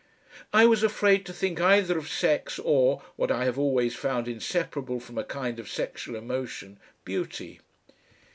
I was afraid to think either of sex or (what I have always found inseparable from a kind of sexual emotion) beauty.